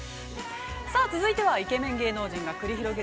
◆続いてはイケメン芸能人が繰り広げる、